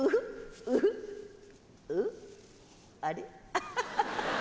アハハハハ。